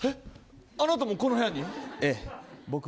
あなたもこの部屋に。